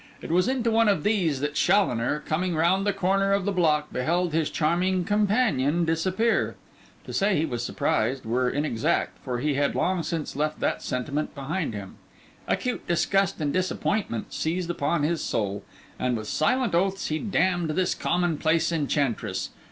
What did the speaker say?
It was into one of these that Challoner, coming round the corner of the block, beheld his charming companion disappear. To say he was surprised were inexact, for he had long since left that sentiment behind him. Acute disgust and disappointment seized upon his soul; and with silent oaths, he damned this commonplace enchantress.